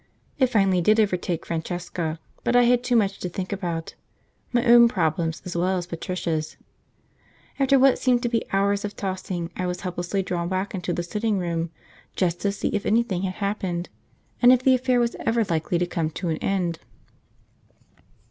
It finally did overtake Francesca, but I had too much to think about my own problems as well as Patricia's. After what seemed to be hours of tossing I was helplessly drawn back into the sitting room, just to see if anything had happened, and if the affair was ever likely to come to an end.